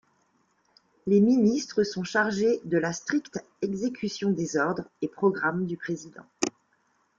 Les ministres sont chargés de la stricte exécution des ordres et programmes du président.